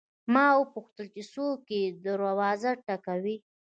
ما وپوښتل چې څوک یې چې دروازه ټکوي.